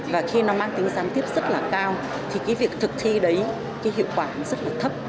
và khi nó mang tính gián tiếp rất là cao thì cái việc thực thi đấy cái hiệu quả nó rất là thấp